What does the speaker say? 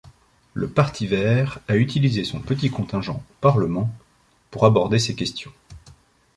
Le Parti vert a utilisé son petit contingent au parlement pour aborder ces questions.